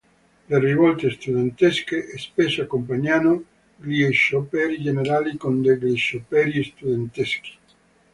Le rivolte studentesche spesso accompagnano gli scioperi generali, con degli scioperi studenteschi.